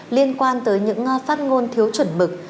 liên quan tới những phát ngôn thiếu chuẩn mực